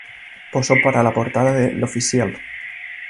Posó para la portada de "L'Officiel".